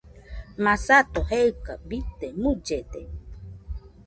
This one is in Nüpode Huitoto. Masato jeika bite mullede.